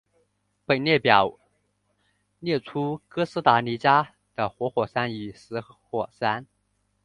本列表列出了哥斯达黎加的活火山与死火山。